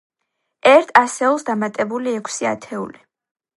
ერთ ასეულს დამატებული ექვსი ათეული.